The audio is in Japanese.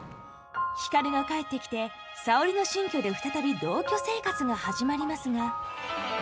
光が帰ってきて沙織の新居で再び同居生活が始まりますが。